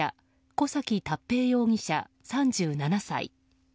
小崎達平容疑者、３７歳。